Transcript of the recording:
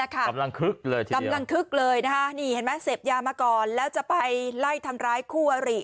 กำลังคึกเลยเสพยามาก่อนแล้วจะไปไล่ทำร้ายคู่วริ